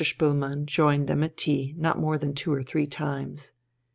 Spoelmann joined them at tea not more than two or three times.